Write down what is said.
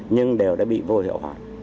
nhưng đều đã bị vô hiệu hoại